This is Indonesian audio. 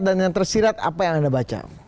dan yang tersirat apa yang anda baca